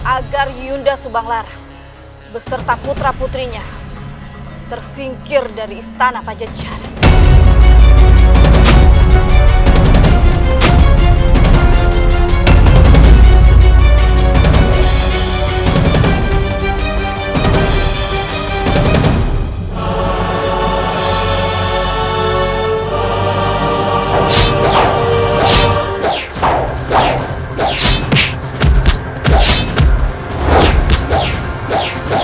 agar yunda subanglar beserta putra putrinya tersingkir dari istana pajacara